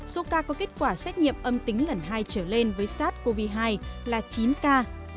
số ca có kết quả xét nghiệm âm tính lần hai trở lên với sars cov hai là chín ca